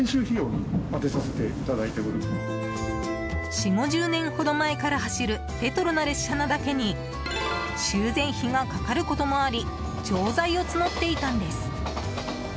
４０５０年ほど前から走るレトロな列車なだけに修繕費がかかることもあり浄財を募っていたんです。